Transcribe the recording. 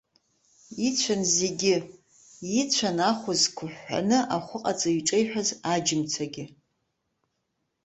Ицәан зегьы, ицәан ахәа зқәыҳәҳәаны ахәыҟаҵаҩ иҿеиҳәаз аџьымцагьы.